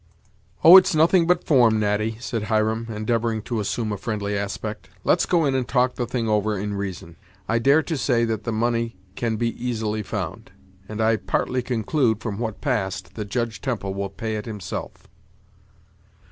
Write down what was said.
"Oh! it's nothing but form, Natty," said Hiram, endeavoring to assume a friendly aspect. "Let's go in, and talk the thing over in reason; I dare to say that the money can be easily found, and I partly conclude, from what passed, that Judge Temple will pay it himself."